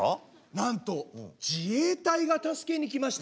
「なんと自衛隊が助けに来ました！」。